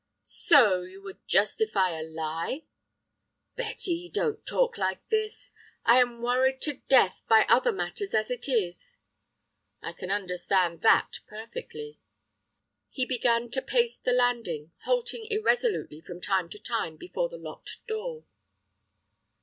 "So you would justify a lie?" "Betty, don't talk like this. I am worried to death by other matters as it is." "I can understand that perfectly." He began to pace the landing, halting irresolutely from time to time before the locked door.